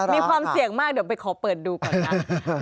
มีความเสี่ยงมากเดี๋ยวไปขอเปิดดูก่อนนะ